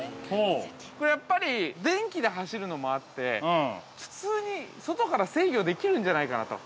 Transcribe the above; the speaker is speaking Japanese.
やっぱり電気で走るのもあって普通に外から制御できるんじゃないかなと。